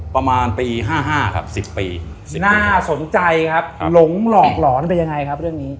ประมาณปี๕๕ครับ๑๐ปีน่าสนใจครับหลงหลอกหลอนเป็นยังไงครับเรื่องนี้